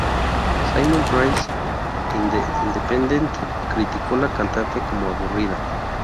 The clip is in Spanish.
Simon Price de The Independent criticó la cantante como aburrida.